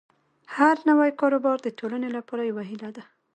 هر نوی کاروبار د ټولنې لپاره یوه هیله ده.